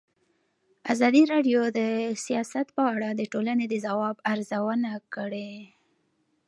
ازادي راډیو د سیاست په اړه د ټولنې د ځواب ارزونه کړې.